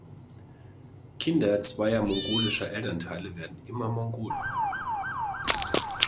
Kinder zweier mongolischer Elternteile werden immer Mongolen.